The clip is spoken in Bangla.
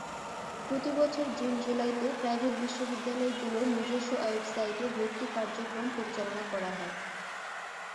প্রতি বছর জুন-জুলাইতে প্রাইভেট বিশ্ববিদ্যালয়গুলোর নিজস্ব ওয়েবসাইটে ভর্তি কার্যক্রম পরিচালনা করা হয়।